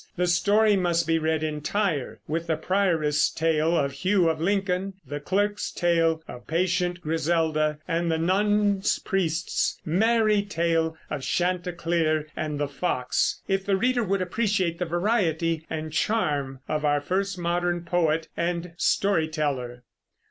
The story must be read entire, with the Prioress' tale of Hugh of Lincoln, the Clerk's tale of Patient Griselda, and the Nun's Priest's merry tale of Chanticleer and the Fox, if the reader would appreciate the variety and charm of our first modern poet and story teller.